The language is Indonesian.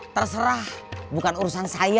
terserah bukan urusan saya